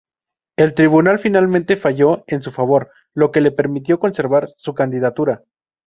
El tribunal finalmente falló en su favor, lo que le permitió conservar su candidatura.